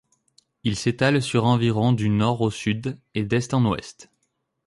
Il s'étale sur environ du nord au sud et d'est en ouest.